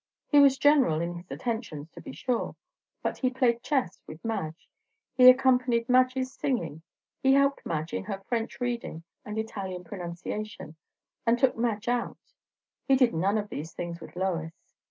He was general in his attentions, to be sure; but he played chess with Madge, he accompanied Madge's singing, he helped Madge in her French reading and Italian pronunciation, and took Madge out. He did none of these things with Lois.